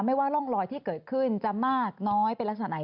ว่าร่องรอยที่เกิดขึ้นจะมากน้อยเป็นลักษณะไหน